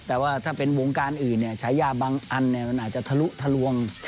แต่ว่าถ้าเป็นวงการอื่นฉายาบางอันมันอาจจะทะลุทะลวง